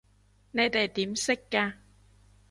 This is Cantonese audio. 你哋點識㗎？